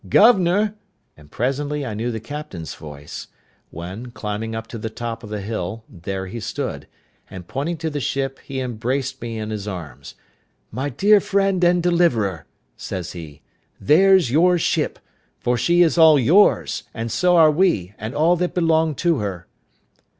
Governor!" and presently I knew the captain's voice; when, climbing up to the top of the hill, there he stood, and, pointing to the ship, he embraced me in his arms, "My dear friend and deliverer," says he, "there's your ship; for she is all yours, and so are we, and all that belong to her."